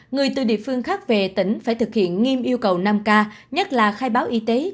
người từ địa phương khác về tỉnh phải thực hiện nghiêm yêu cầu năm k nhất là khai báo y tế